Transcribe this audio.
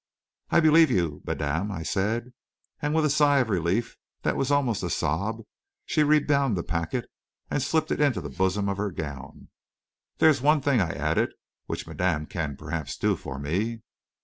"I believe you, madame," I said, and with a sigh of relief that was almost a sob, she rebound the packet and slipped it into the bosom of her gown. "There is one thing," I added, "which madame can, perhaps, do for me."